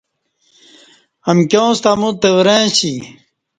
امکیاں ستہ امو تورں اسی